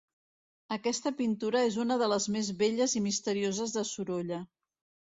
Aquesta pintura és una de les més belles i misterioses de Sorolla.